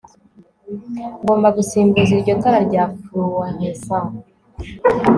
Ngomba gusimbuza iryo tara rya fluorescent